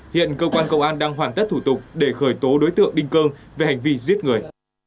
hiện cơ quan công an đang hoàn tất thủ tục để khởi tố đối tượng đinh cơ về hành vi giết người